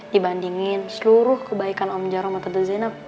dibandingin seluruh kebaikan om jaromata dezenap